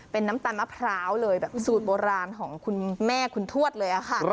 เป็นน้ำตาลมะพร้าวเลยแบบสูตรโบราณของคุณแม่คุณทวดเลยค่ะ